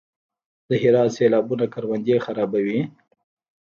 د هرات سیلابونه کروندې خرابوي؟